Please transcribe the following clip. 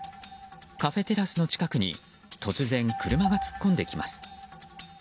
カフェテラスの近くに突然、車が突っ込んできます。